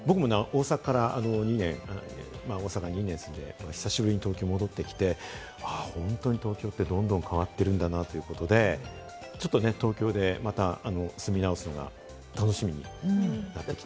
僕も大阪に２年住んで、久しぶりに東京に戻ってきて、あぁやっぱり東京って、どんどん変わってるんだなってことで、ちょっと東京でまた住み直すのが楽しみになってきた。